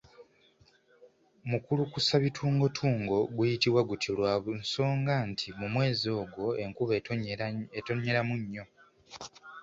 Mukulukusabitungotungo guyitibwa gutyo lwa nsonga nti mu mwezi ogwo enkuba etonyeramu nnyo.